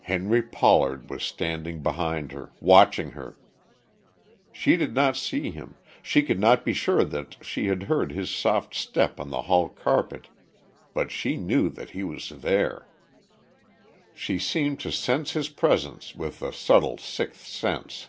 Henry Pollard was standing behind her, watching her! She did not see him, she could not be sure that she had heard his soft step on the hall carpet, but she knew that he was there. She seemed to sense his presence with the subtle sixth sense.